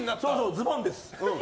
ズボンです。